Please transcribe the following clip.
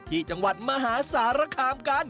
ที่จังหวัดมหาสารคามกัน